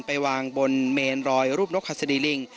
ไปวางบนเมนรอยรูปนกหัสดีลิง